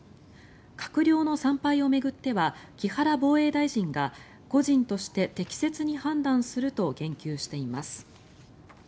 閣僚の参拝を巡っては木原防衛大臣が個人として適切に判断すると言及しています。